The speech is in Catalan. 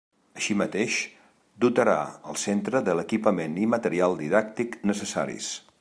Així mateix, dotarà el centre de l'equipament i material didàctic necessaris.